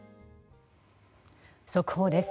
速報です。